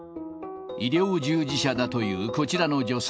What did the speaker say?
医療従事者だというこちらの女性。